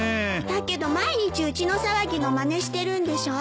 だけど毎日うちの騒ぎのまねしてるんでしょ。